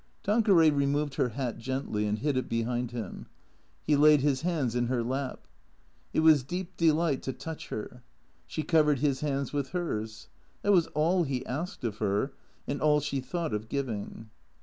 Tanqueray removed her hat gently and hid it behind him. He laid his hands in her lap. It was deep delight to touch her She covered his hands with hers. That was all he asked of her and all she thought of giving.